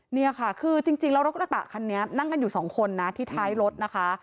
นี่ค่ะคือจริงแล้วรถกระบะคันนี้นั่งกันอยู่สองคนนะที่ท้ายรถนะคะ